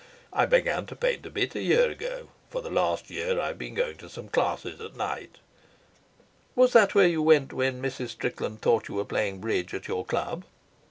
I began to paint a bit a year ago. For the last year I've been going to some classes at night." "Was that where you went when Mrs. Strickland thought you were playing bridge at your club?"